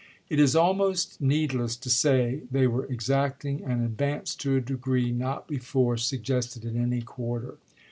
It is almost needless to say they were exacting and advanced to a degree not before sug 191 gested in any quarter.